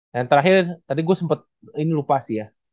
dan terakhir tadi gue sempet ini lupa sih ya